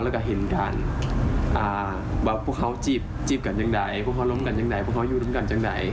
แล้วก็เห็นว่าพวกเค้าจีบกันอย่างใดพวกเค้าล้มกันอย่างใดพวกเค้าอยู่ล้มกันอย่างใด